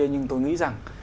nhưng tôi nghĩ rằng